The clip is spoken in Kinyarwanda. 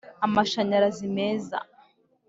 amashanyarazi meza.